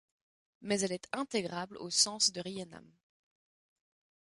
Mais elle est intégrable au sens de Riemann.